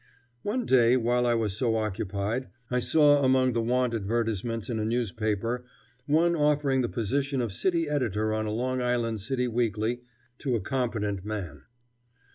One day, while I was so occupied, I saw among the "want" advertisements in a newspaper one offering the position of city editor on a Long Island City weekly to a competent man.